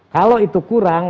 kalau itu kurang